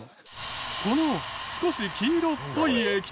この少し黄色っぽい液体。